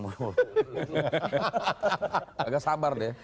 agak sabar deh